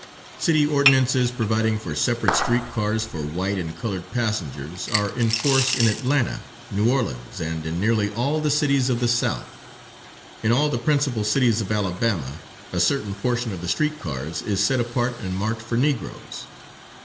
City ordinances providing for separate street cars for white and colored passengers, are in force in Atlanta, New Orleans, and in nearly all the cities of the South. In all the principal cities of Alabama, a certain portion of the street cars is set apart and marked for negroes.